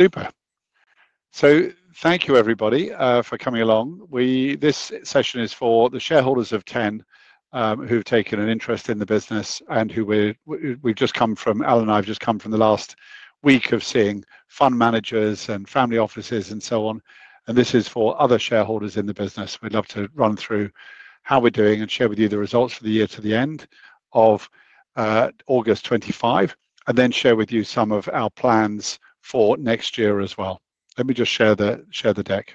Super. Thank you, everybody, for coming along. This session is for the shareholders of Ten who have taken an interest in the business and who we have just come from. Alan and I have just come from the last week of seeing fund managers and family offices and so on. This is for other shareholders in the business. We would love to run through how we are doing and share with you the results for the year to the end of August 2025, and then share with you some of our plans for next year as well. Let me just share the deck.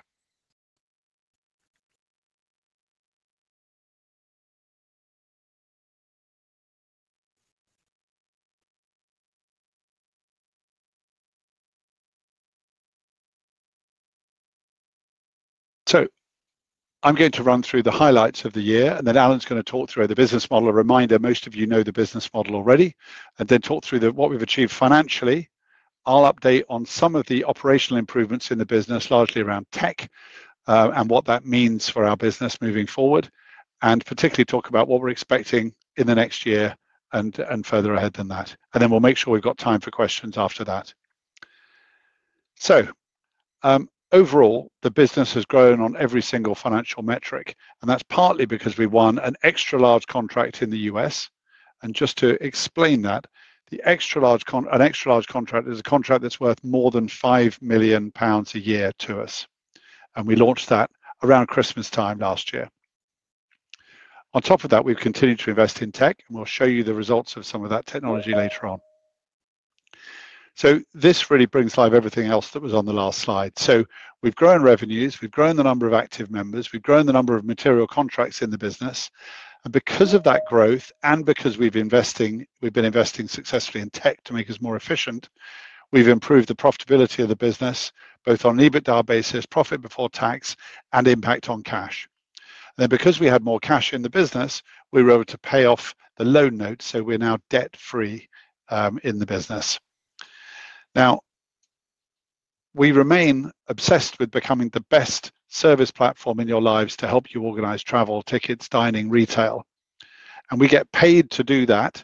I am going to run through the highlights of the year, and then Alan is going to talk through the business model, a reminder most of you know the business model already, and then talk through what we have achieved financially. I'll update on some of the operational improvements in the business, largely around tech and what that means for our business moving forward, and particularly talk about what we're expecting in the next year and further ahead than that. We'll make sure we've got time for questions after that. Overall, the business has grown on every single financial metric, and that's partly because we won an extra-large contract in the U.S. Just to explain that, an extra-large contract is a contract that's worth more than 5 million pounds a year to us. We launched that around Christmas time last year. On top of that, we've continued to invest in tech, and we'll show you the results of some of that technology later on. This really brings live everything else that was on the last slide. We have grown revenues, we have grown the number of active members, we have grown the number of material contracts in the business. Because of that growth and because we have been investing successfully in tech to make us more efficient, we have improved the profitability of the business, both on an EBITDA basis, profit before tax, and impact on cash. Because we had more cash in the business, we were able to pay off the loan note, so we are now debt-free in the business. We remain obsessed with becoming the best service platform in your lives to help you organize travel, tickets, dining, retail. We get paid to do that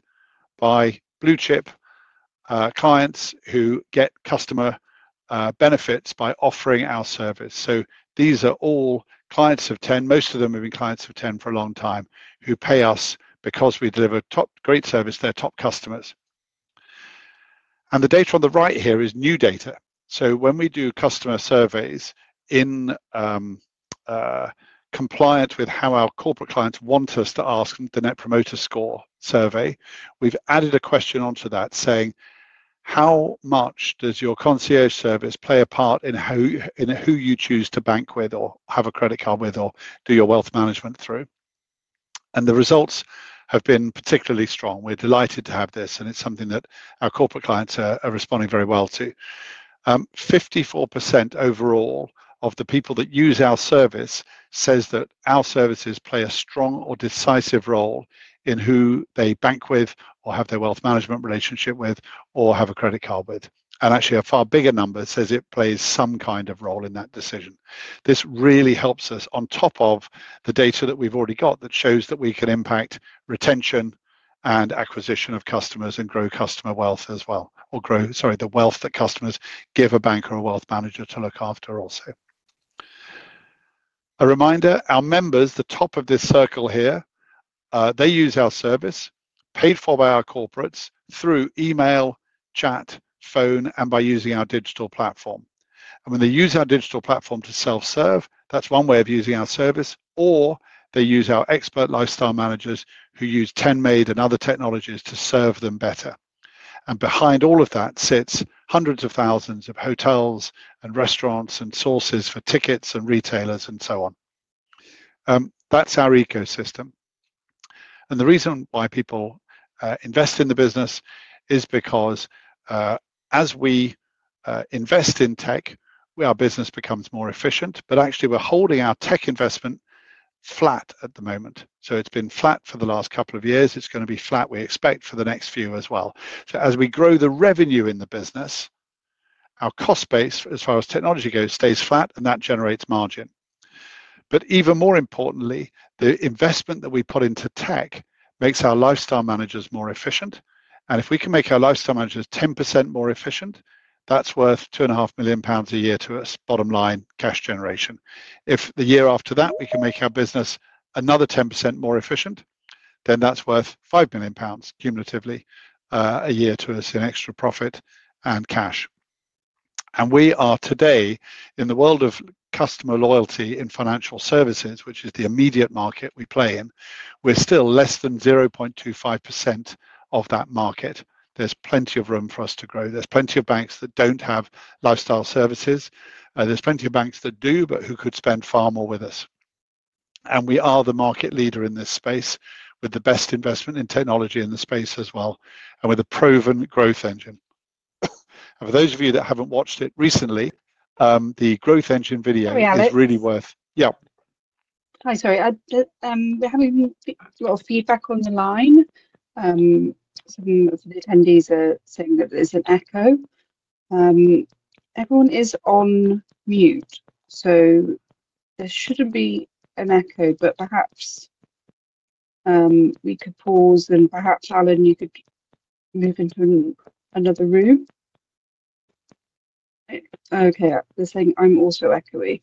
by blue chip clients who get customer benefits by offering our service. These are all clients of Ten, most of them have been clients of Ten for a long time, who pay us because we deliver great service to their top customers. The data on the right here is new data. When we do customer surveys in compliance with how our corporate clients want us to ask them, the Net Promoter Score survey, we've added a question onto that saying, "How much does your concierge service play a part in who you choose to bank with or have a credit card with or do your wealth management through?" The results have been particularly strong. We're delighted to have this, and it's something that our corporate clients are responding very well to. 54% overall of the people that use our service says that our services play a strong or decisive role in who they bank with or have their wealth management relationship with or have a credit card with. Actually, a far bigger number says it plays some kind of role in that decision. This really helps us on top of the data that we've already got that shows that we can impact retention and acquisition of customers and grow customer wealth as well, or grow, sorry, the wealth that customers give a banker or a wealth manager to look after also. A reminder, our members, the top of this circle here, they use our service, paid for by our corporates through email, chat, phone, and by using our Digital Platform. When they use our Digital Platform to self-serve, that's one way of using our service, or they use our expert lifestyle managers who use Ten MAID and other technologies to serve them better. Behind all of that sits hundreds of thousands of hotels and restaurants and sources for tickets and retailers and so on. That's our ecosystem. The reason why people invest in the business is because as we invest in tech, our business becomes more efficient. Actually, we're holding our tech investment flat at the moment. It's been flat for the last couple of years. It's going to be flat, we expect, for the next few as well. As we grow the revenue in the business, our cost base, as far as technology goes, stays flat, and that generates margin. Even more importantly, the investment that we put into tech makes our lifestyle managers more efficient. If we can make our lifestyle managers 10% more efficient, that's worth 2.5 million pounds a year to us, bottom line cash generation. If the year after that we can make our business another 10% more efficient, then that's worth 5 million pounds cumulatively a year to us in extra profit and cash. We are today, in the world of customer loyalty in financial services, which is the immediate market we play in, we're still less than 0.25% of that market. There's plenty of room for us to grow. There's plenty of banks that don't have lifestyle services. There's plenty of banks that do, but who could spend far more with us. We are the market leader in this space with the best investment in technology in the space as well, and we're the proven growth engine. For those of you that haven't watched it recently, the growth engine video is really worth. Sorry, Alex. Yeah. Hi, sorry. We're having a bit more feedback on the line. Some of the attendees are saying that there's an echo. Everyone is on mute, so there shouldn't be an echo, but perhaps we could pause, and perhaps Alan, you could move into another room. Okay, they're saying I'm also echoey.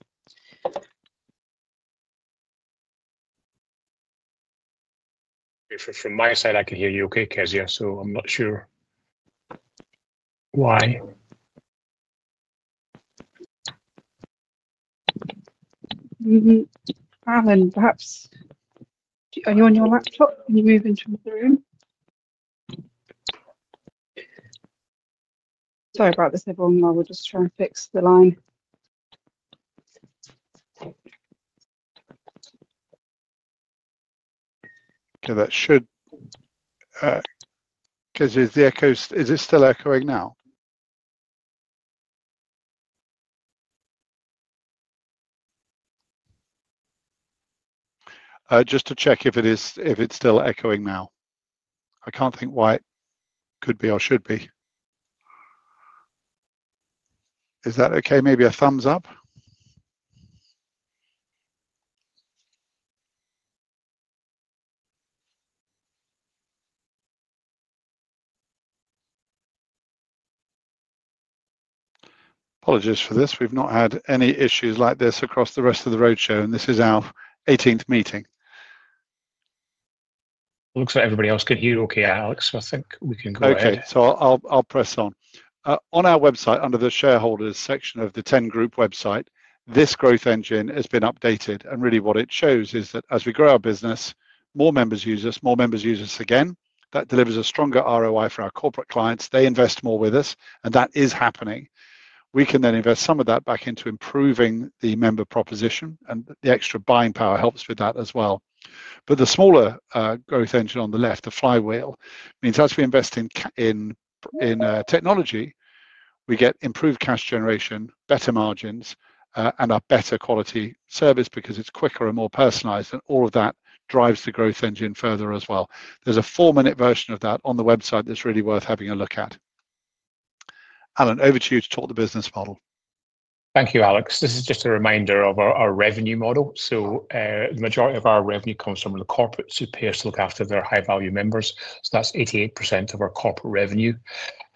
From my side, I can hear you okay, Keziah, so I'm not sure why. Alan, perhaps are you on your laptop? Can you move into another room? Sorry about this, everyone. I will just try and fix the line. Okay, that should. Keziah, is it still echoing now? Just to check if it's still echoing now. I can't think why it could be or should be. Is that okay? Maybe a thumbs up? Apologies for this. We've not had any issues like this across the rest of the roadshow, and this is our 18th meeting. Looks like everybody else can hear okay, Alex. I think we can go ahead. Okay, so I'll press on. On our website, under the shareholders section of the Ten Group website, this growth engine has been updated. And really, what it shows is that as we grow our business, more members use us, more members use us again. That delivers a stronger ROI for our corporate clients. They invest more with us, and that is happening. We can then invest some of that back into improving the member proposition, and the extra buying power helps with that as well. The smaller growth engine on the left, the flywheel, means as we invest in technology, we get improved cash generation, better margins, and a better quality service because it's quicker and more personalized, and all of that drives the growth engine further as well. There's a four-minute version of that on the website that's really worth having a look at. Alan, over to you to talk the business model. Thank you, Alex. This is just a reminder of our revenue model. The majority of our revenue comes from the corporates who pay us to look after their high-value members. That is 88% of our corporate revenue.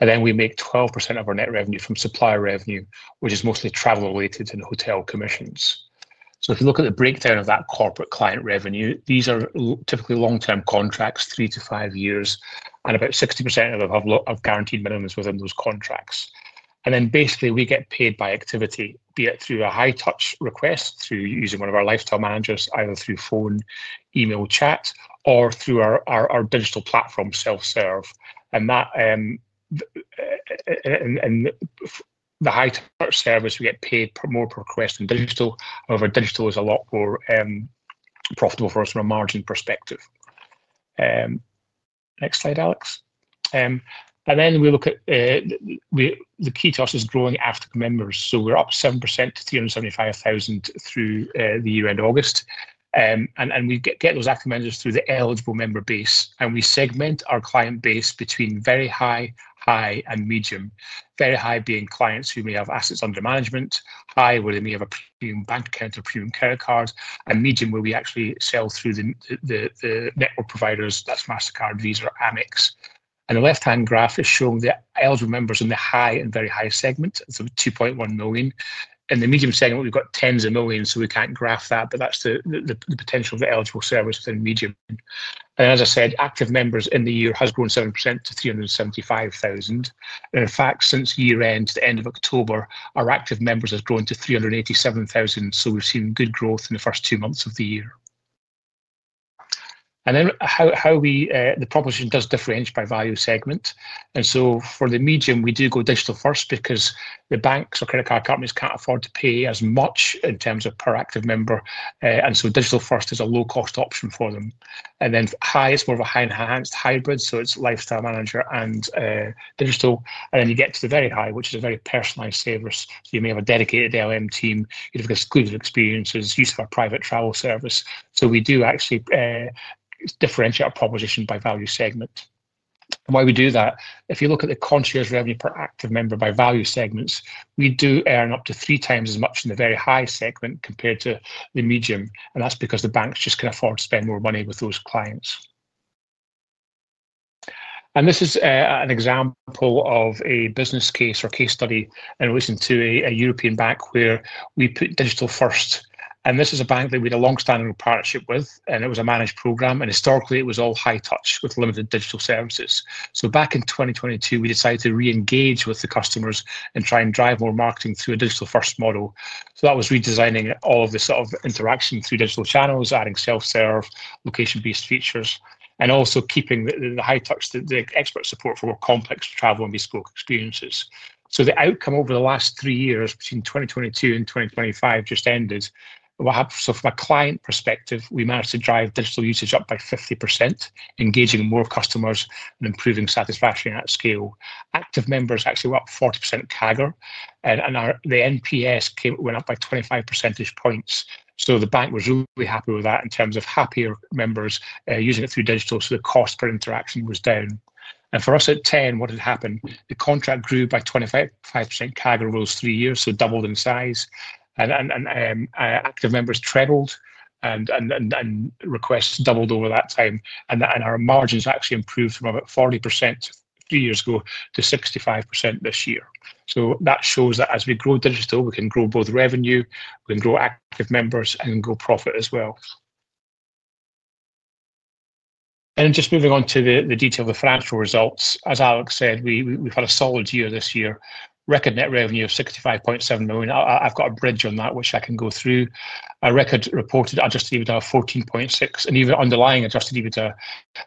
We make 12% of our net revenue from supplier revenue, which is mostly travel-related and hotel commissions. If you look at the breakdown of that corporate client revenue, these are typically long-term contracts, three to five years, and about 60% of them have guaranteed minimums within those contracts. Basically, we get paid by activity, be it through a high-touch request, through using one of our lifestyle managers, either through phone, email, chat, or through our Digital Platform self-serve. The high-touch service, we get paid more per request than digital. However, digital is a lot more profitable for us from a margin perspective. Next slide, Alex. The key to us is growing active members. We're up 7% to 375,000 through the year end, August. We get those active members through the eligible member base. We segment our client base between very high, high, and medium. Very high being clients who may have assets under management, high where they may have a premium bank account or premium credit card, and medium where we actually sell through the network providers, that's Mastercard, Visa, or Amex. The left-hand graph is showing the eligible members in the high and very high segment, so 2.1 million. In the medium segment, we've got tens of millions, so we can't graph that, but that's the potential of the eligible service within medium. As I said, active members in the year has grown 7% to 375,000. In fact, since year-end, to the end of October, our active members have grown to 387,000, so we have seen good growth in the first two months of the year. The proposition does differentiate by value segment. For the medium, we do go digital-first because the banks or credit card companies cannot afford to pay as much in terms of per active member, and digital-first is a low-cost option for them. For high, it is more of a high-enhanced hybrid, so it is lifestyle manager and digital. When you get to the very high, it is a very personalized service. You may have a dedicated LM team, exclusive experiences, use of our private travel service. We do actually differentiate our proposition by value segment. Why do we do that? If you look at the concierge revenue per active member by value segments, we do earn up to three times as much in the very high segment compared to the medium, and that's because the banks just can afford to spend more money with those clients. This is an example of a business case or case study in relation to a European bank where we put digital-first. This is a bank that we had a long-standing partnership with, and it was a managed program, and historically, it was all high-touch with limited digital services. Back in 2022, we decided to re-engage with the customers and try and drive more marketing through a digital-first model. That was redesigning all of this sort of interaction through digital channels, adding self-serve, location-based features, and also keeping the high-touch, the expert support for more complex travel and bespoke experiences. The outcome over the last three years between 2022 and 2025 just ended. From a client perspective, we managed to drive digital usage up by 50%, engaging more customers and improving satisfaction at scale. Active members actually were up 40% CAGR, and the NPS went up by 25 percentage points. The bank was really happy with that in terms of happier members using it through digital, so the cost per interaction was down. For us at Ten, what had happened? The contract grew by 25% CAGR over those three years, so doubled in size. Active members trebled, and requests doubled over that time. Our margins actually improved from about 40% three years ago to 65% this year. That shows that as we grow digital, we can grow both revenue, we can grow active members, and we can grow profit as well. Then just moving on to the detail of the financial results. As Alex said, we've had a solid year this year. Record net revenue of 65.7 million. I've got a bridge on that, which I can go through. Our record reported Adjusted EBITDA of 14.6 million, and even underlying Adjusted EBITDA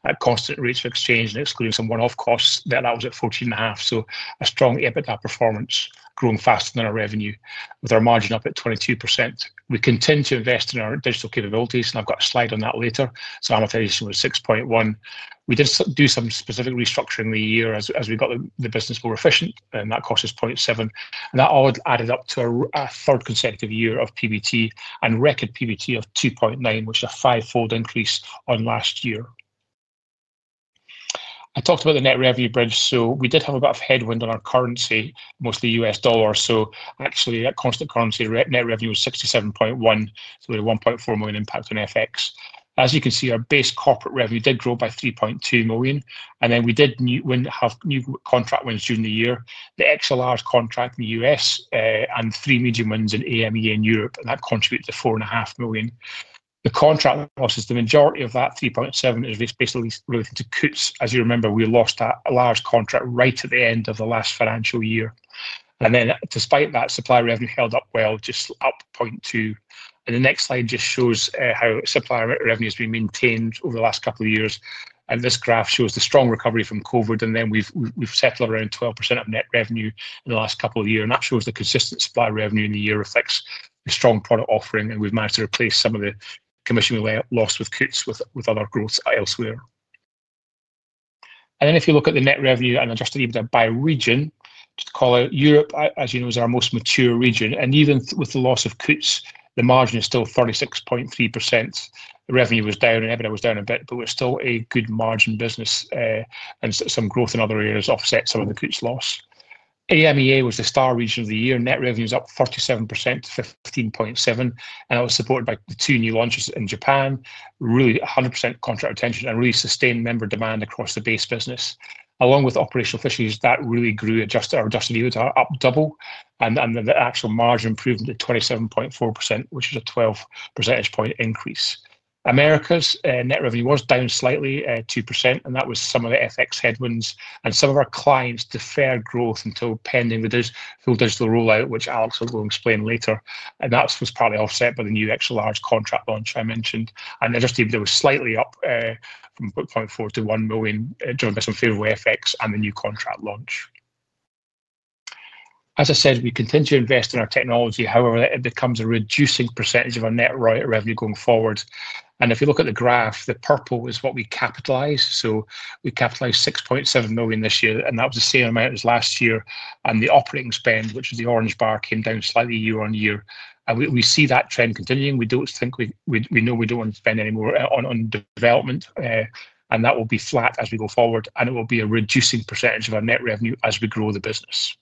at constant rates of exchange and excluding some one-off costs, that was at 14.5 million. A strong EBITDA performance, growing faster than our revenue, with our margin up at 22%. We continue to invest in our digital capabilities, and I've got a slide on that later. Our amortization was 6.1 million. We did do some specific restructuring the year as we got the business more efficient, and that cost is 0.7 million. That all added up to a third consecutive year of PBT and record PBT of 2.9 million, which is a five-fold increase on last year. I talked about the net revenue bridge, so we did have a bit of headwind on our currency, mostly US dollars. Actually, at constant currency, net revenue was 67.1 million, so we had a 1.4 million impact on FX. As you can see, our base corporate revenue did grow by 3.2 million. We did have new contract wins during the year. The extra-large contract in the U.S. and three medium wins in AMEA and Europe contributed 4.5 million. The contract losses, the majority of that 3.7 million, is basically related to Coutts. As you remember, we lost that large contract right at the end of the last financial year. Despite that, supply revenue held up well, just up 0.2 million. The next slide just shows how supply revenue has been maintained over the last couple of years. This graph shows the strong recovery from COVID, and then we've settled around 12% of net revenue in the last couple of years. That shows the consistent supply revenue in the year reflects the strong product offering, and we've managed to replace some of the commission we lost with Coutts with other growth elsewhere. If you look at the net revenue and Adjusted EBITDA by region, just to call out Europe, as you know, is our most mature region. Even with the loss of Coutts, the margin is still 36.3%. The revenue was down, and EBITDA was down a bit, but we're still a good margin business, and some growth in other areas offsets some of the Coutts loss. AMEA was the star region of the year. Net revenue was up 47% to 15.7 million, and that was supported by the two new launches in Japan. Really, 100% contract retention and really sustained member demand across the base business. Along with operational efficiencies, that really grew our Adjusted EBITDA up double, and the actual margin improvement to 27.4%, which is a 12 percentage point increase. Americas net revenue was down slightly at 2%, and that was some of the FX headwinds. Some of our clients deferred growth until pending the full digital rollout, which Alex will explain later. That was partly offset by the new extra-large contract launch I mentioned. Adjusted EBITDA was slightly up from 0.4 million to 1 million driven by some favorable FX and the new contract launch. As I said, we continue to invest in our technology. However, it becomes a reducing percentage of our net revenue going forward. If you look at the graph, the purple is what we capitalized. We capitalized 6.7 million this year, and that was the same amount as last year. The operating spend, which is the orange bar, came down slightly year on year. We see that trend continuing. We do not think, we know, we do not want to spend any more on development, and that will be flat as we go forward. It will be a reducing percentage of our net revenue as we grow the business.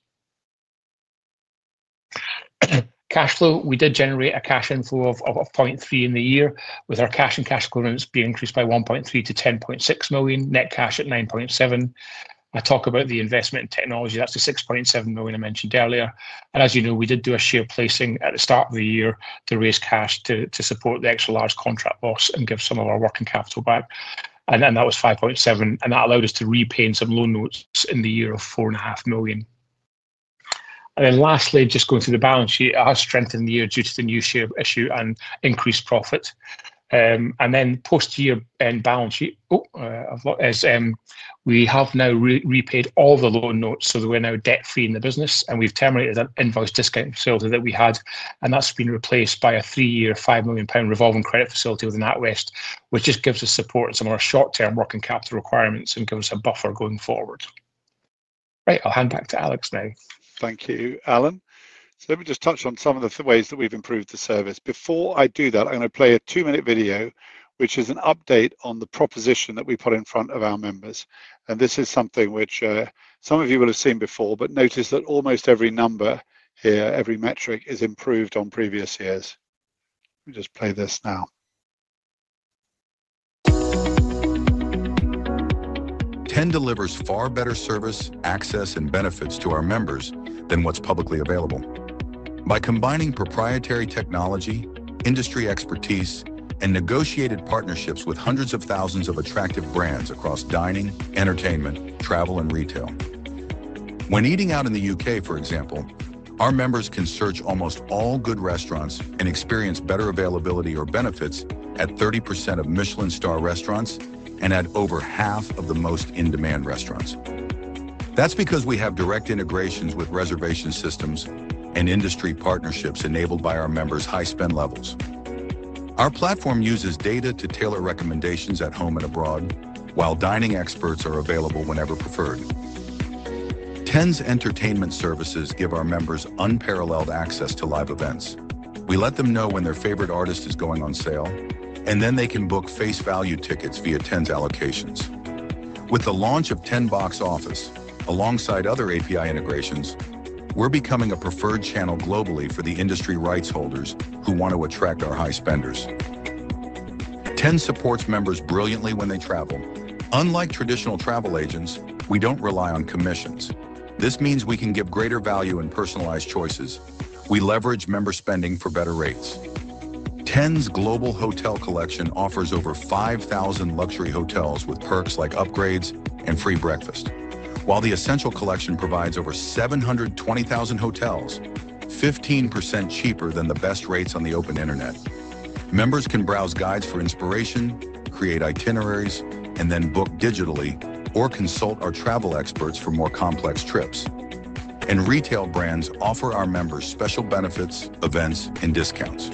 Cash flow, we did generate a cash inflow of 0.3 million in the year, with our cash and cash equivalents being increased by 1.3 million to 10.6 million, net cash at 9.7 million. I talk about the investment in technology. That is the 6.7 million I mentioned earlier. As you know, we did do a share placing at the start of the year to raise cash to support the extra-large contract loss and give some of our working capital back. That was 5.7 million, and that allowed us to repay some loan notes in the year of 4.5 million. Lastly, just going through the balance sheet, our strength in the year was due to the new share issue and increased profit. Post-year balance sheet, we have now repaid all the loan notes, so we are now debt-free in the business. We have terminated that invoice discount facility that we had, and that has been replaced by a three-year 5 million pound revolving credit facility within NatWest, which just gives us support on some of our short-term working capital requirements and gives us a buffer going forward. Right, I'll hand back to Alex now. Thank you, Alan. Let me just touch on some of the ways that we've improved the service. Before I do that, I'm going to play a two-minute video, which is an update on the proposition that we put in front of our members. This is something which some of you will have seen before, but notice that almost every number here, every metric, is improved on previous years. Let me just play this now. Ten delivers far better service, access, and benefits to our members than what's publicly available. By combining proprietary technology, industry expertise, and negotiated partnerships with hundreds of thousands of attractive brands across dining, entertainment, travel, and retail. When eating out in the U.K., for example, our members can search almost all good restaurants and experience better availability or benefits at 30% of Michelin-star restaurants and at over half of the most in-demand restaurants. That's because we have direct integrations with reservation systems and industry partnerships enabled by our members' high spend levels. Our platform uses data to tailor recommendations at home and abroad, while dining experts are available whenever preferred. Ten's entertainment services give our members unparalleled access to live events. We let them know when their favorite artist is going on sale, and then they can book face value tickets via Ten's allocations. With the launch of Ten Box Office, alongside other API integrations, we're becoming a preferred channel globally for the industry rights holders who want to attract our high spenders. Ten supports members brilliantly when they travel. Unlike traditional travel agents, we don't rely on commissions. This means we can give greater value and personalized choices. We leverage member spending for better rates. Ten's global hotel collection offers over 5,000 luxury hotels with perks like upgrades and free breakfast. While the Essential Collection provides over 720,000 hotels, 15% cheaper than the best rates on the open internet. Members can browse guides for inspiration, create itineraries, and then book digitally or consult our travel experts for more complex trips. Retail brands offer our members special benefits, events, and discounts.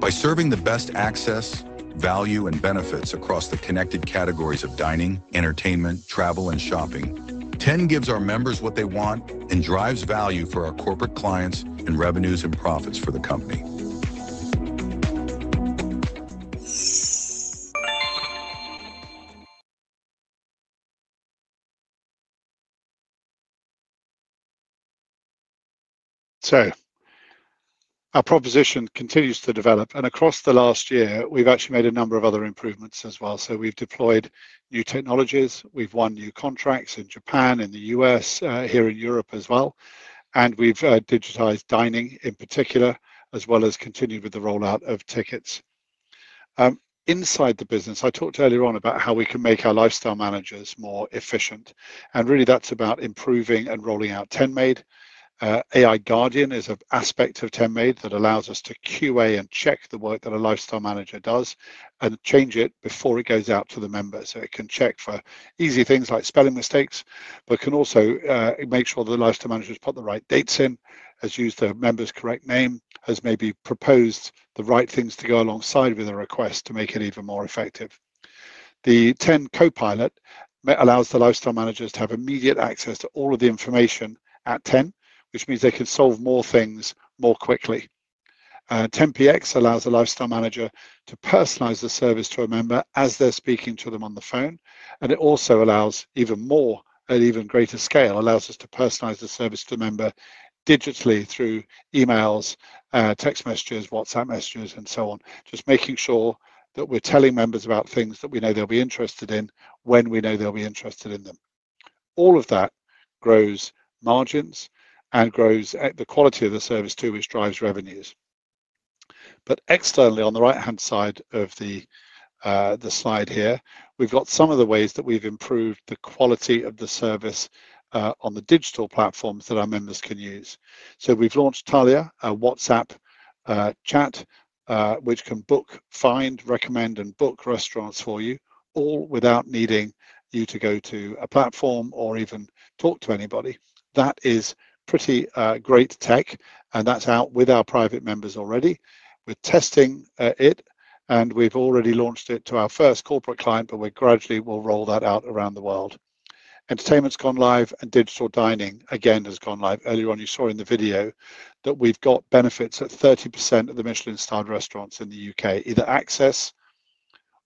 By serving the best access, value, and benefits across the connected categories of dining, entertainment, travel, and shopping, Ten gives our members what they want and drives value for our corporate clients and revenues and profits for the company. Our proposition continues to develop, and across the last year, we've actually made a number of other improvements as well. We've deployed new technologies, we've won new contracts in Japan, in the U.S., here in Europe as well, and we've digitized dining in particular, as well as continued with the rollout of tickets. Inside the business, I talked earlier on about how we can make our lifestyle managers more efficient, and really that's about improving and rolling out Ten MAID. AI Guardian is an aspect of Ten MAID that allows us to QA and check the work that a lifestyle manager does and change it before it goes out to the member. It can check for easy things like spelling mistakes, but can also make sure that the lifestyle manager has put the right dates in, has used the member's correct name, has maybe proposed the right things to go alongside with a request to make it even more effective. The Ten Copilot allows the lifestyle managers to have immediate access to all of the information at Ten, which means they can solve more things more quickly. Ten PX allows the lifestyle manager to personalize the service to a member as they're speaking to them on the phone, and it also allows even more at an even greater scale, allows us to personalize the service to the member digitally through emails, text messages, WhatsApp messages, and so on, just making sure that we're telling members about things that we know they'll be interested in when we know they'll be interested in them. All of that grows margins and grows the quality of the service too, which drives revenues. Externally, on the right-hand side of the slide here, we've got some of the ways that we've improved the quality of the service on the Digital Platforms that our members can use. We've launched Talia, a WhatsApp chat, which can book, find, recommend, and book restaurants for you, all without needing you to go to a platform or even talk to anybody. That is pretty great tech, and that's out with our private members already. We're testing it, and we've already launched it to our first corporate client, but we're gradually rolling that out around the world. Entertainment's gone live, and Digital Dining again has gone live. Earlier on, you saw in the video that we've got benefits at 30% of the Michelin-starred restaurants in the U.K., either access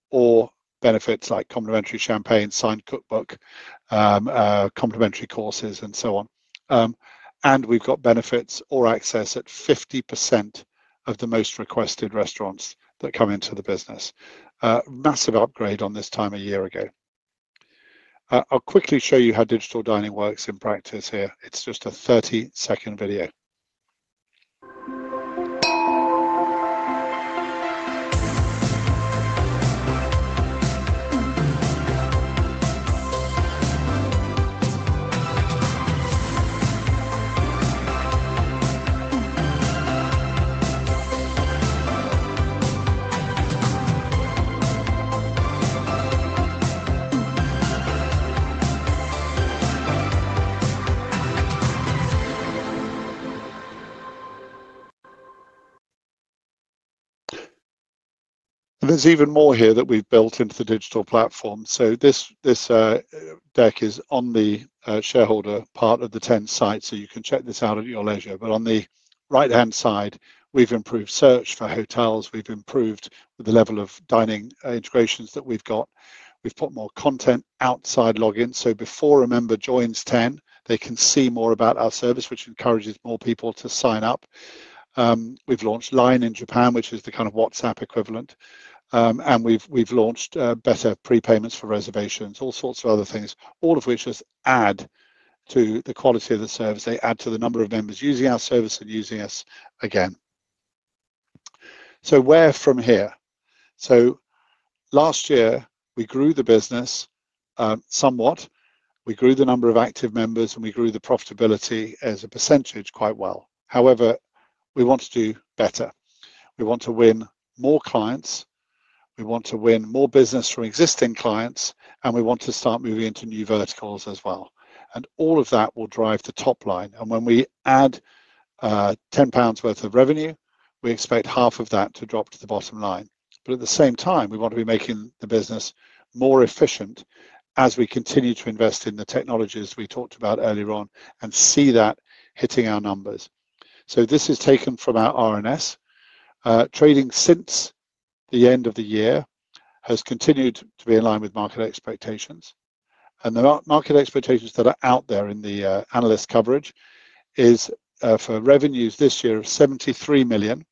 or benefits like complimentary champagne, signed cookbook, complimentary courses, and so on. We've got benefits or access at 50% of the most requested restaurants that come into the business. Massive upgrade on this time a year ago. I'll quickly show you how Digital Dining works in practice here. It's just a 30-second video. There's even more here that we've built into the Digital Platform. This deck is on the shareholder part of the Ten site, so you can check this out at your leisure. On the right-hand side, we've improved search for hotels. We've improved the level of dining integrations that we've got. We've put more content outside login. Before a member joins Ten, they can see more about our service, which encourages more people to sign up. We've launched Line in Japan, which is the kind of WhatsApp equivalent. We've launched better prepayments for reservations, all sorts of other things, all of which just add to the quality of the service. They add to the number of members using our service and using us again. Where from here? Last year, we grew the business somewhat. We grew the number of active members, and we grew the profitability as a percentage quite well. However, we want to do better. We want to win more clients. We want to win more business from existing clients, and we want to start moving into new verticals as well. All of that will drive the top line. When we add 10 pounds worth of revenue, we expect half of that to drop to the bottom line. At the same time, we want to be making the business more efficient as we continue to invest in the technologies we talked about earlier on and see that hitting our numbers. This is taken from our RNS. Trading since the end of the year has continued to be in line with market expectations. The market expectations that are out there in the analyst coverage is for revenues this year of 73 million.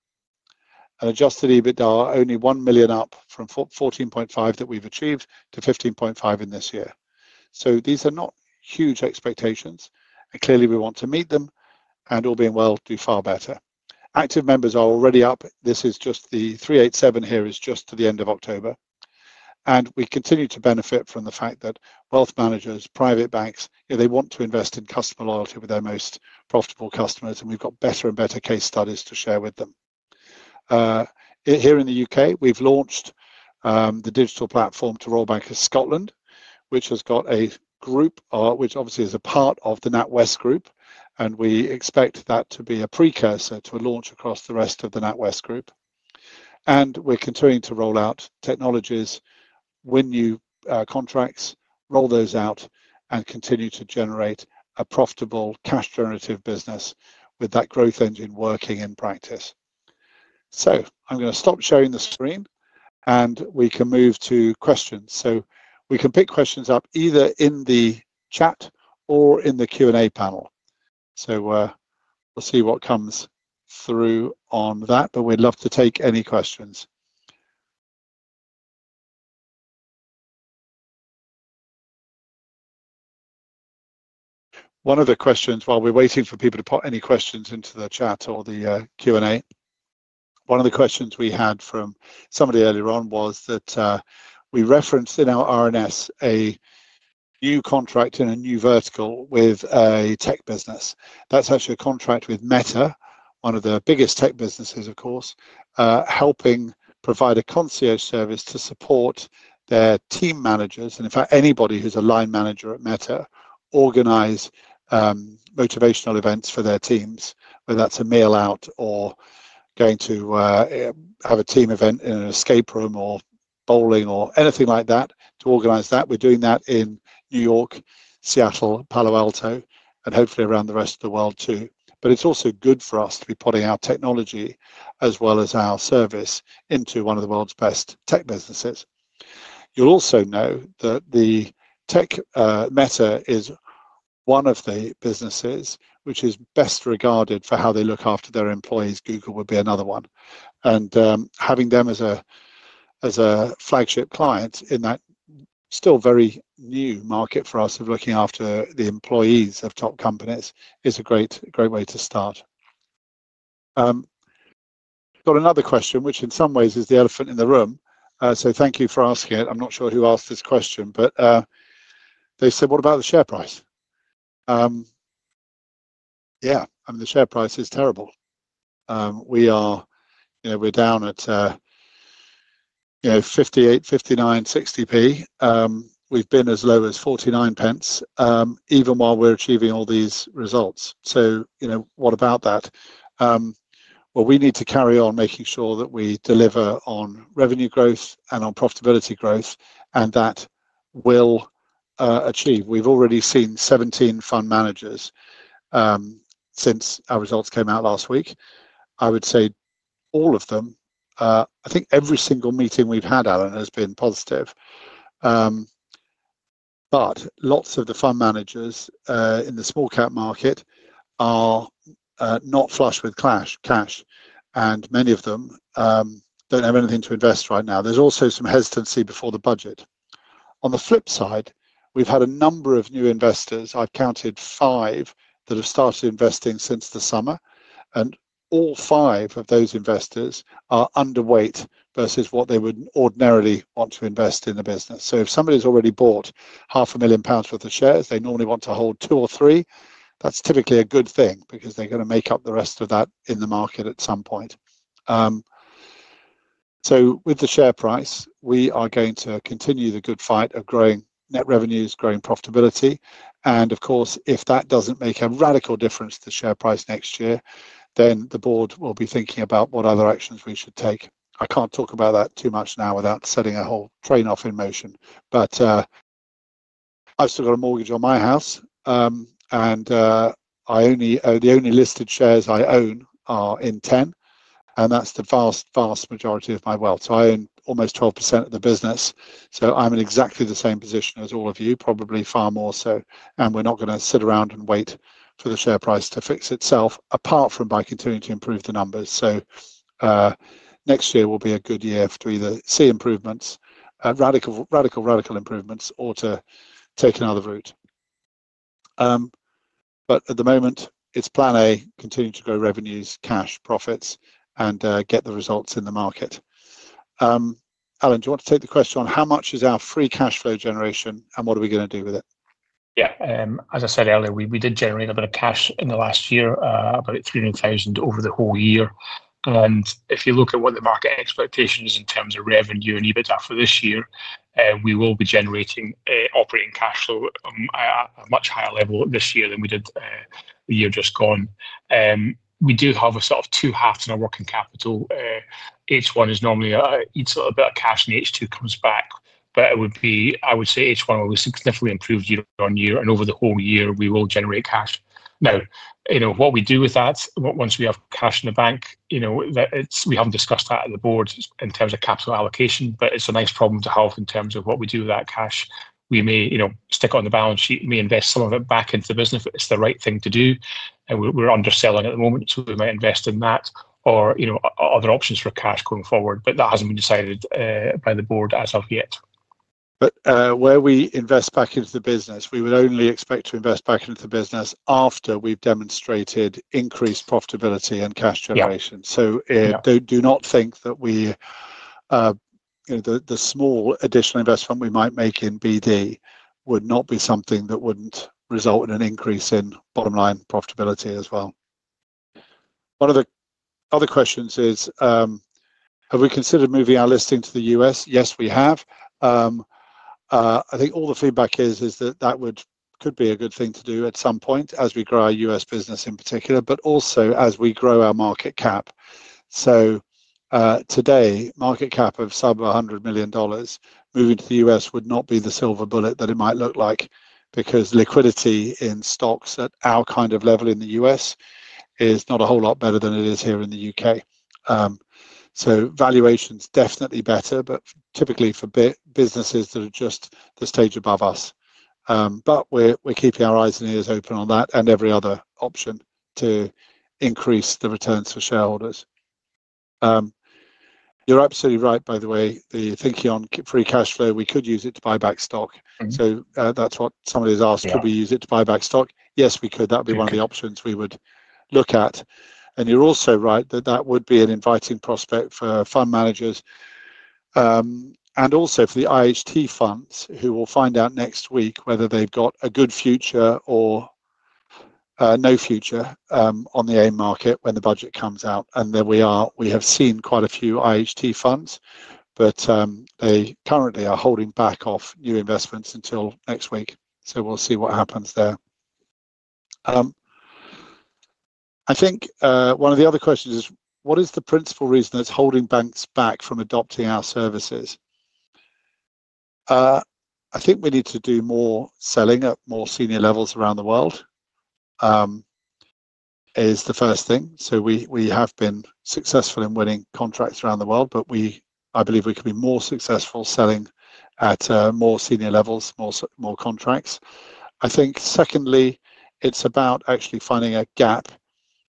Adjusted EBITDA are only 1 million up from 14.5 million that we have achieved to 15.5 million in this year. These are not huge expectations, and clearly we want to meet them, and all being well, do far better. Active members are already up. This is just the 387 here is just to the end of October. We continue to benefit from the fact that wealth managers, private banks, they want to invest in customer loyalty with their most profitable customers, and we've got better and better case studies to share with them. Here in the U.K., we've launched the Digital Platform to Royal Bank of Scotland, which has got a group, which obviously is a part of the NatWest Group, and we expect that to be a precursor to a launch across the rest of the NatWest Group. We are continuing to roll out technologies, win new contracts, roll those out, and continue to generate a profitable cash-generative business with that growth engine working in practice. I'm going to stop sharing the screen, and we can move to questions. We can pick questions up either in the chat or in the Q&A panel. We'll see what comes through on that, but we'd love to take any questions. One of the questions, while we're waiting for people to put any questions into the chat or the Q&A, one of the questions we had from somebody earlier on was that we referenced in our RNS a new contract in a new vertical with a tech business. That's actually a contract with Meta, one of the biggest tech businesses, of course, helping provide a concierge service to support their team managers. In fact, anybody who's a line manager at Meta organizes motivational events for their teams, whether that's a meal out or going to have a team event in an escape room or bowling or anything like that to organize that. We're doing that in New York, Seattle, Palo Alto, and hopefully around the rest of the world too. It is also good for us to be putting our technology as well as our service into one of the world's best tech businesses. You'll also know that Meta is one of the businesses which is best regarded for how they look after their employees. Google would be another one. Having them as a flagship client in that still very new market for us of looking after the employees of top companies is a great way to start. Got another question, which in some ways is the elephant in the room. Thank you for asking it. I'm not sure who asked this question, but they said, "What about the share price?" Yeah, I mean, the share price is terrible. We're down at GBP 0.58, 0.59, 0.60. We've been as low as 0.49 even while we're achieving all these results. What about that? We need to carry on making sure that we deliver on revenue growth and on profitability growth, and that will achieve. We've already seen 17 fund managers since our results came out last week. I would say all of them, I think every single meeting we've had, Alan, has been positive. Lots of the fund managers in the small cap market are not flush with cash, and many of them do not have anything to invest right now. There's also some hesitancy before the budget. On the flip side, we've had a number of new investors. I've counted five that have started investing since the summer, and all five of those investors are underweight versus what they would ordinarily want to invest in the business. If somebody has already bought 500,000 pounds worth of shares, they normally want to hold two or three. That's typically a good thing because they're going to make up the rest of that in the market at some point. With the share price, we are going to continue the good fight of growing net revenues, growing profitability. Of course, if that does not make a radical difference to the share price next year, then the board will be thinking about what other actions we should take. I can't talk about that too much now without setting a whole train off in motion. I've still got a mortgage on my house, and the only listed shares I own are in Ten, and that's the vast, vast majority of my wealth. I own almost 12% of the business. I'm in exactly the same position as all of you, probably far more so. We're not going to sit around and wait for the share price to fix itself apart from by continuing to improve the numbers. Next year will be a good year to either see improvements, radical, radical improvements, or to take another route. At the moment, it's plan A, continue to grow revenues, cash, profits, and get the results in the market. Alan, do you want to take the question on how much is our free cash flow generation and what are we going to do with it? Yeah. As I said earlier, we did generate a bit of cash in the last year, about 300,000 over the whole year. If you look at what the market expectation is in terms of revenue and EBITDA for this year, we will be generating operating cash flow at a much higher level this year than we did the year just gone. We do have a sort of two-halves in our working capital. H1 normally eats a little bit of cash, and H2 comes back. I would say H1 will be significantly improved year on year, and over the whole year, we will generate cash. Now, what we do with that, once we have cash in the bank, we have not discussed that at the board in terms of capital allocation, but it is a nice problem to have in terms of what we do with that cash. We may stick it on the balance sheet, may invest some of it back into the business if it's the right thing to do. We're underselling at the moment, so we might invest in that or other options for cash going forward, but that hasn't been decided by the board as of yet. Where we invest back into the business, we would only expect to invest back into the business after we've demonstrated increased profitability and cash generation. Do not think that the small additional investment we might make in BD would not be something that wouldn't result in an increase in bottom line profitability as well. One of the other questions is, have we considered moving our listing to the U.S.? Yes, we have. I think all the feedback is that that could be a good thing to do at some point as we grow our U.S. business in particular, but also as we grow our market cap. Today, market cap of sub $100 million moving to the U.S. would not be the silver bullet that it might look like because liquidity in stocks at our kind of level in the U.S. is not a whole lot better than it is here in the U.K. Valuation's definitely better, but typically for businesses that are just the stage above us. We're keeping our eyes and ears open on that and every other option to increase the returns for shareholders. You're absolutely right, by the way. The thinking on free cash flow, we could use it to buy back stock. That's what somebody has asked. Could we use it to buy back stock? Yes, we could. That would be one of the options we would look at. You're also right that that would be an inviting prospect for fund managers and also for the IHT funds who will find out next week whether they've got a good future or no future on the A market when the budget comes out. There we are. We have seen quite a few IHT funds, but they currently are holding back off new investments until next week. We'll see what happens there. I think one of the other questions is, what is the principal reason that's holding banks back from adopting our services? I think we need to do more selling at more senior levels around the world is the first thing. We have been successful in winning contracts around the world, but I believe we could be more successful selling at more senior levels, more contracts. I think secondly, it's about actually finding a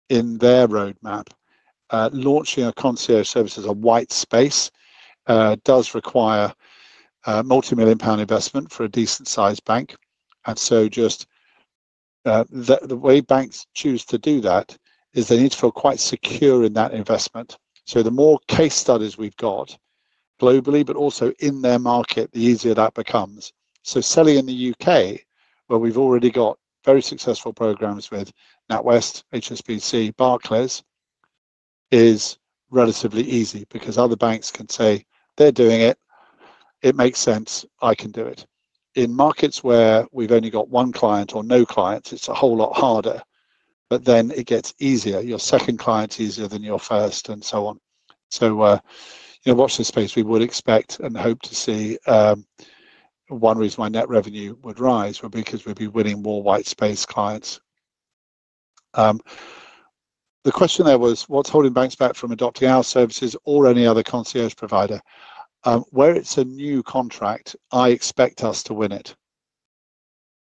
gap in their roadmap. Launching a concierge service as a white space does require a multi-million-GBP investment for a decent-sized bank. Just the way banks choose to do that is they need to feel quite secure in that investment. The more case studies we've got globally, but also in their market, the easier that becomes. Selling in the U.K., where we've already got very successful programs with NatWest, HSBC, Barclays, is relatively easy because other banks can say, "They're doing it. It makes sense. I can do it." In markets where we've only got one client or no clients, it's a whole lot harder, but it gets easier. Your second client is easier than your first and so on. Watch this space. We would expect and hope to see one reason why net revenue would rise would be because we'd be winning more white space clients. The question there was, what's holding banks back from adopting our services or any other concierge provider? Where it's a new contract, I expect us to win it.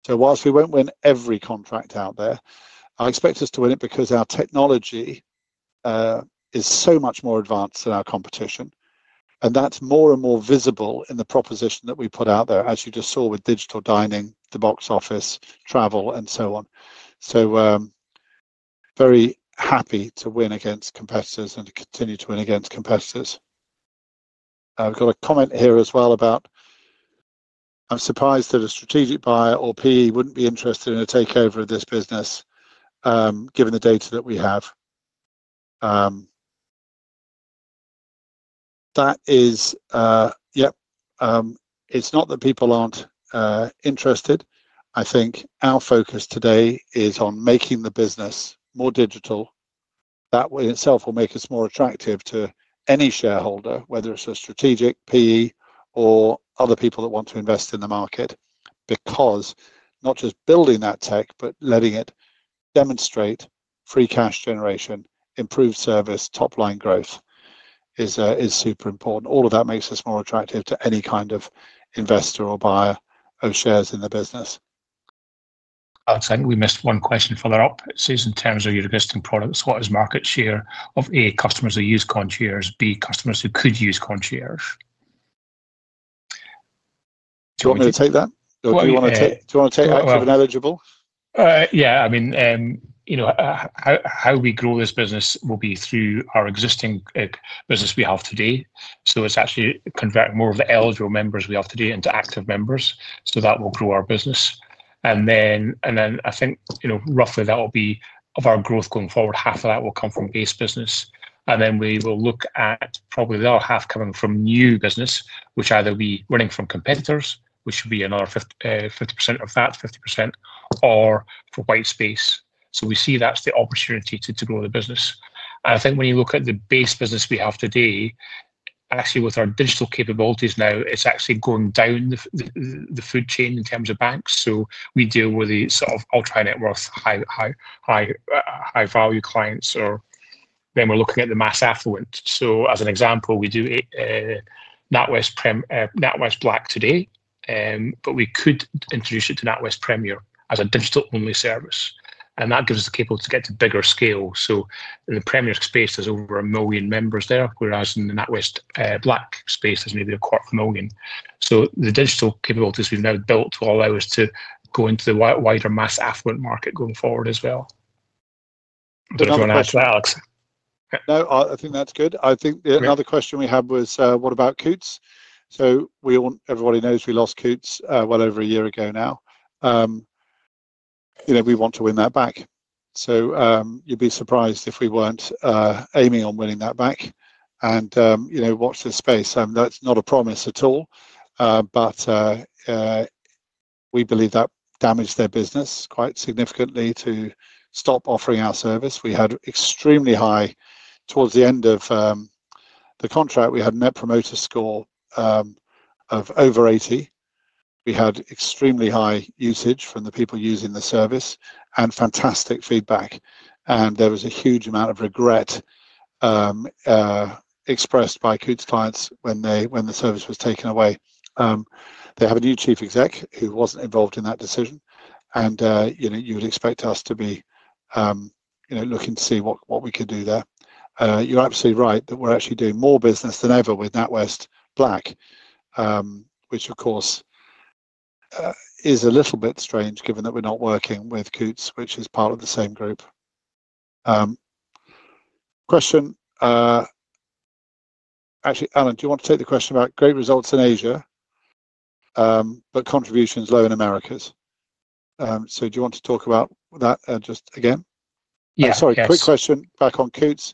Whilst we won't win every contract out there, I expect us to win it because our technology is so much more advanced than our competition, and that's more and more visible in the proposition that we put out there, as you just saw with Digital Dining, the Box Office, travel, and so on. Very happy to win against competitors and to continue to win against competitors. I've got a comment here as well about, "I'm surprised that a strategic buyer or PE wouldn't be interested in a takeover of this business given the data that we have." That is, yep, it's not that people aren't interested. I think our focus today is on making the business more digital. That in itself will make us more attractive to any shareholder, whether it's a strategic PE or other people that want to invest in the market, because not just building that tech, but letting it demonstrate free cash generation, improved service, top-line growth is super important. All of that makes us more attractive to any kind of investor or buyer of shares in the business. Outstanding. We missed one question follow-up. It's in terms of your existing products. What is market share of A, customers who use concierge, B, customers who could use concierge? Do you want me to take that? Do you want to take that with an eligible? Yeah. I mean, how we grow this business will be through our existing business we have today. So it's actually converting more of the eligible members we have today into active members. That will grow our business. I think roughly that will be of our growth going forward, half of that will come from base business. We will look at probably the other half coming from new business, which either will be running from competitors, which would be another 50% of that, 50%, or for white space. We see that's the opportunity to grow the business. I think when you look at the base business we have today, actually with our digital capabilities now, it's actually going down the food chain in terms of banks. We deal with the sort of ultra-net worth, high-value clients, or then we're looking at the mass affluent. As an example, we do NatWest Black today, but we could introduce it to NatWest Premier as a digital-only service. That gives us the capability to get to bigger scale. In the Premier space, there's over 1 million members there, whereas in the NatWest Black space, there's maybe 250,000. The digital capabilities we've now built will allow us to go into the wider mass affluent market going forward as well. Does anyone else? No, I think that's good. I think another question we had was, what about Coutts? So everybody knows we lost Coutts well over a year ago now. We want to win that back. You'd be surprised if we weren't aiming on winning that back. Watch this space. That's not a promise at all, but we believe that damaged their business quite significantly to stop offering our service. We had extremely high, towards the end of the contract, we had a Net Promoter Score of over 80. We had extremely high usage from the people using the service and fantastic feedback. There was a huge amount of regret expressed by Coutts clients when the service was taken away. They have a new chief exec who wasn't involved in that decision, and you would expect us to be looking to see what we could do there. You're absolutely right that we're actually doing more business than ever with NatWest Black, which of course is a little bit strange given that we're not working with Coutts, which is part of the same group. Question. Actually, Alan, do you want to take the question about great results in Asia, but contributions low in Americas? Do you want to talk about that just again? Yes. Sorry. Quick question back on Coutts.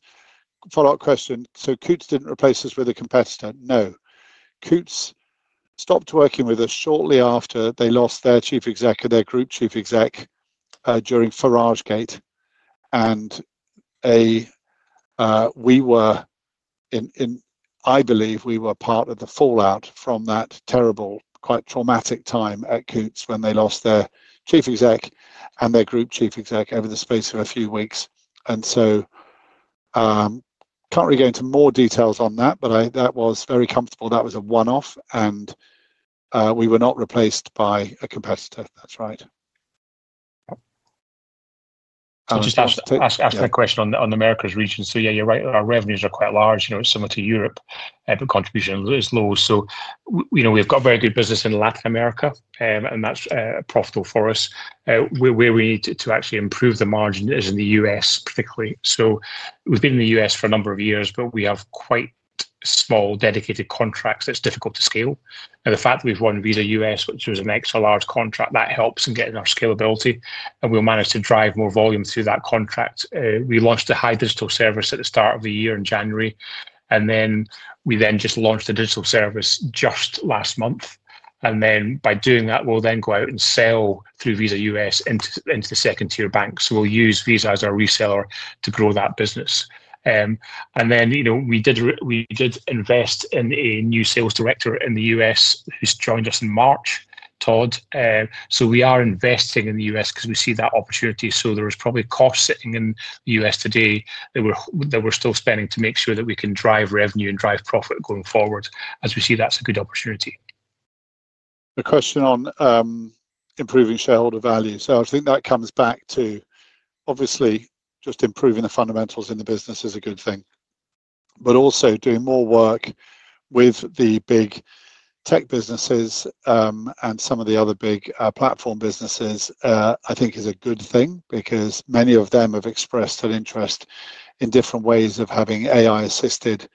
Follow-up question. Coutts did not replace us with a competitor? No. Coutts stopped working with us shortly after they lost their chief exec, their group chief exec during Farage Gate. I believe we were part of the fallout from that terrible, quite traumatic time at Coutts when they lost their chief exec and their group chief exec over the space of a few weeks. I cannot really go into more details on that, but that was very comfortable. That was a one-off, and we were not replaced by a competitor. That is right. Just ask that question on the Americas region. Yeah, you're right. Our revenues are quite large. It's similar to Europe, but contribution is low. We've got very good business in Latin America, and that's profitable for us. Where we need to actually improve the margin is in the U.S., particularly. We've been in the U.S. for a number of years, but we have quite small dedicated contracts that's difficult to scale. The fact that we've won Visa U.S., which was an extra-large contract, helps in getting our scalability, and we'll manage to drive more volume through that contract. We launched a high digital service at the start of the year in January, and then we just launched a digital service last month. By doing that, we'll then go out and sell through Visa U.S. into the second-tier banks. We'll use Visa as our reseller to grow that business. We did invest in a new sales director in the U.S. who's joined us in March, Todd. We are investing in the U.S. because we see that opportunity. There are probably costs sitting in the U.S. today that we're still spending to make sure that we can drive revenue and drive profit going forward. As we see, that's a good opportunity. A question on improving shareholder value. I think that comes back to, obviously, just improving the fundamentals in the business is a good thing, but also doing more work with the big tech businesses and some of the other big platform businesses, I think, is a good thing because many of them have expressed an interest in different ways of having AI-assisted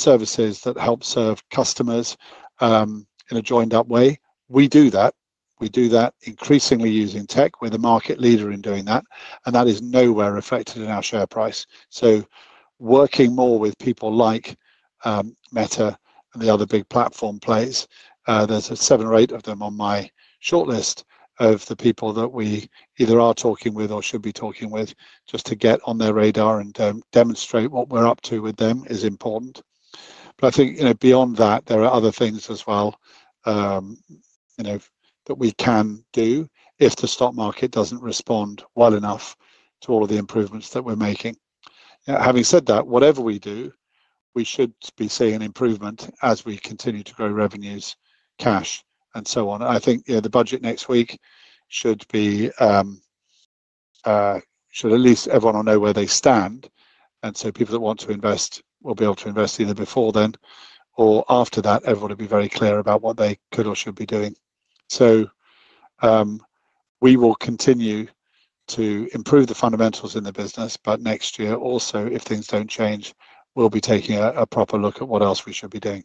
services that help serve customers in a joined-up way. We do that. We do that increasingly using tech. We're the market leader in doing that, and that is nowhere affected in our share price. Working more with people like Meta and the other big platform players. There are seven or eight of them on my shortlist of the people that we either are talking with or should be talking with. Just to get on their radar and demonstrate what we're up to with them is important. I think beyond that, there are other things as well that we can do if the stock market does not respond well enough to all of the improvements that we are making. Having said that, whatever we do, we should be seeing an improvement as we continue to grow revenues, cash, and so on. I think the budget next week should at least let everyone know where they stand. People that want to invest will be able to invest either before then or after that. Everyone will be very clear about what they could or should be doing. We will continue to improve the fundamentals in the business, but next year also, if things do not change, we will be taking a proper look at what else we should be doing.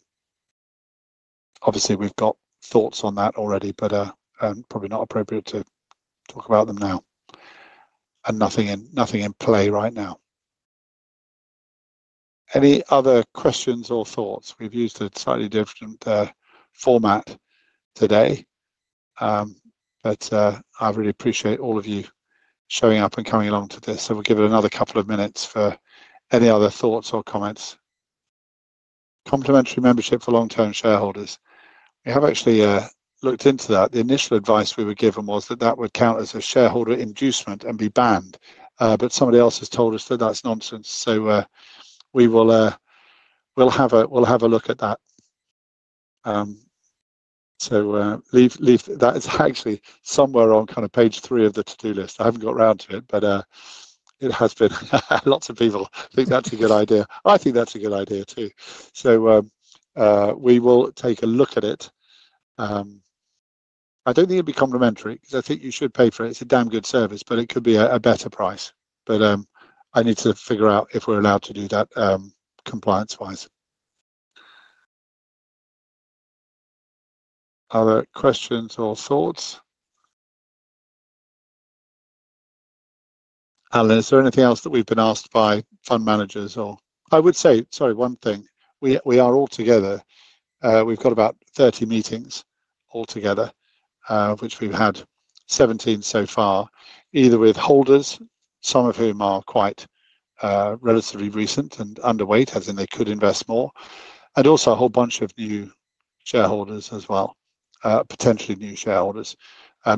Obviously, we've got thoughts on that already, but probably not appropriate to talk about them now and nothing in play right now. Any other questions or thoughts? We've used a slightly different format today, but I really appreciate all of you showing up and coming along to this. We'll give it another couple of minutes for any other thoughts or comments. Complimentary membership for long-term shareholders. We have actually looked into that. The initial advice we were given was that that would count as a shareholder inducement and be banned, but somebody else has told us that that's nonsense. We'll have a look at that. That is actually somewhere on kind of page three of the to-do list. I haven't got around to it, but it has been lots of people think that's a good idea. I think that's a good idea too. We will take a look at it. I don't think it'd be complimentary because I think you should pay for it. It's a damn good service, but it could be a better price. I need to figure out if we're allowed to do that compliance-wise. Other questions or thoughts? Alan, is there anything else that we've been asked by fund managers or? I would say, sorry, one thing. We are all together. We've got about 30 meetings altogether, which we've had 17 so far, either with holders, some of whom are quite relatively recent and underweight, as in they could invest more, and also a whole bunch of new shareholders as well, potentially new shareholders,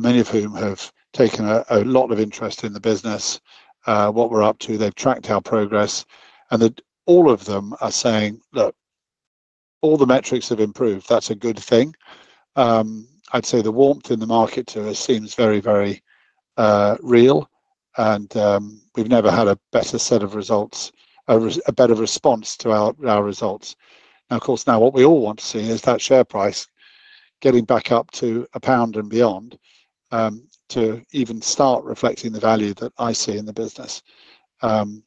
many of whom have taken a lot of interest in the business, what we're up to. They've tracked our progress, and all of them are saying, "Look, all the metrics have improved. That's a good thing. I'd say the warmth in the market to us seems very, very real, and we've never had a better set of results, a better response to our results. Now, of course, what we all want to see is that share price getting back up to GBP 1 and beyond to even start reflecting the value that I see in the business. Onwards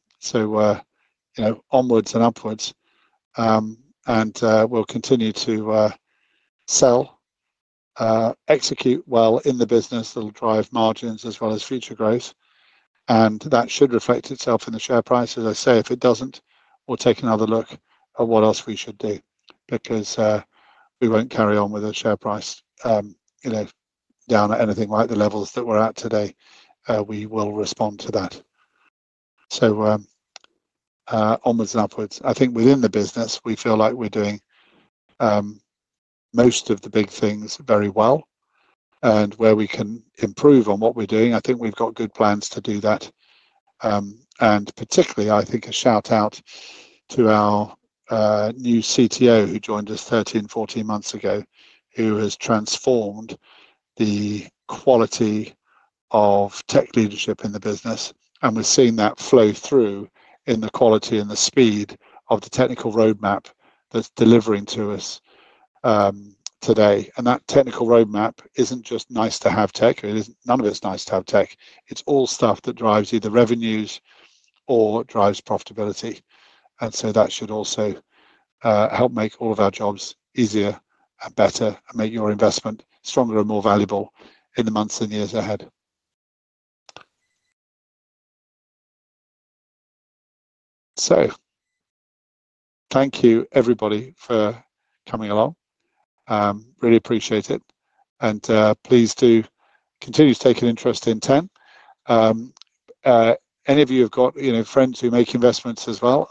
and upwards, and we'll continue to sell, execute well in the business that will drive margins as well as future growth. That should reflect itself in the share price. As I say, if it doesn't, we'll take another look at what else we should do because we won't carry on with a share price down at anything like the levels that we're at today. We will respond to that. Onwards and upwards. I think within the business, we feel like we're doing most of the big things very well. Where we can improve on what we're doing, I think we've got good plans to do that. Particularly, I think a shout-out to our new CTO who joined us 13, 14 months ago, who has transformed the quality of tech leadership in the business. We've seen that flow through in the quality and the speed of the technical roadmap that's delivering to us today. That technical roadmap isn't just nice-to-have tech. None of it's nice-to-have tech. It's all stuff that drives either revenues or drives profitability. That should also help make all of our jobs easier and better and make your investment stronger and more valuable in the months and years ahead. Thank you, everybody, for coming along. Really appreciate it. Please do continue to take an interest in Ten. Any of you have got friends who make investments as well?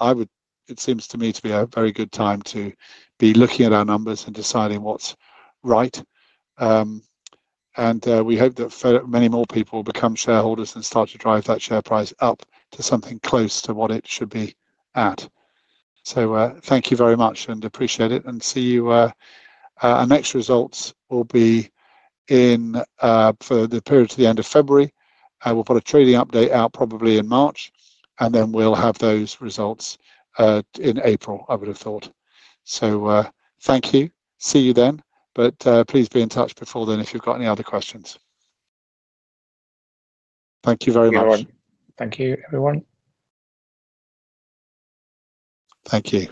It seems to me to be a very good time to be looking at our numbers and deciding what's right. We hope that many more people will become shareholders and start to drive that share price up to something close to what it should be at. Thank you very much and appreciate it. See you. Our next results will be in for the period to the end of February. We will put a trading update out probably in March, and then we will have those results in April, I would have thought. Thank you. See you then, but please be in touch before then if you have got any other questions. Thank you very much. Thank you, everyone. Thank you.